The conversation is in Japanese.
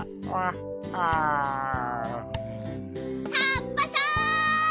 カッパさん！